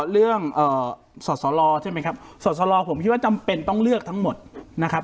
สอสลใช่ไหมครับสอสลผมคิดว่าจำเป็นต้องเลือกทั้งหมดนะครับ